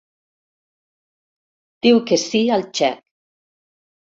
Diu que sí al xec.